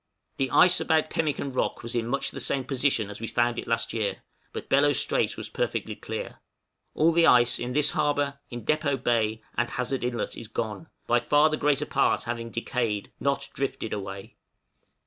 The ice about Pemmican Rock was much in the same position as we found it last year, but Bellot Strait was perfectly clear. All the ice in this harbor, in Depôt Bay, and Hazard Inlet, is gone, by far the greater part having decayed, not drifted away.